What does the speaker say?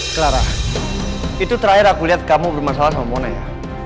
clara itu terakhir aku lihat kamu bermasalah sama mona ya